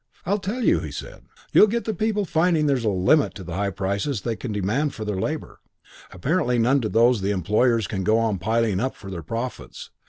'I'll tell you,' he said. 'You'll get the people finding there's a limit to the high prices they can demand for their labour: apparently none to those the employers can go on piling up for their profits.